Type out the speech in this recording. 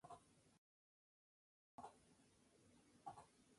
En el caso de Corrientes, se eligieron autoridades para el Poder Legislativo provincial.